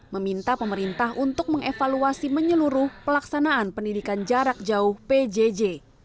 meminta pemerintah untuk mengevaluasi menyeluruh pelaksanaan pendidikan jarak jauh pjj